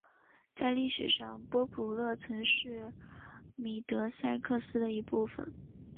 在历史上波普勒曾是米德塞克斯的一部分。